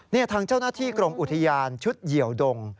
นี่ทางเจ้าหน้าที่กรมอุทยานชุดเหยียวดง